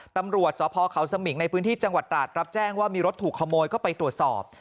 ตำรวจสพเขาสมิงในพื้นที่จังหวัดตราดรับแจ้งว่ามีรถถูกขโมยก็ไปตรวจสอบ